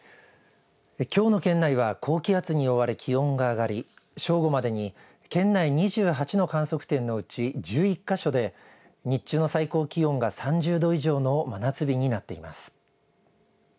きょうの県内は高気圧に覆われ気温が上がり正午までに県内２８の観測点のうち１１か所で日中の最高気温が３０度以上の真夏日になっています。